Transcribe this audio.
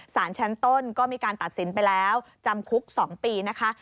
สารชั้นต้นก็มีการตัดสินไปแล้วจำคุก๒ปีนะคะ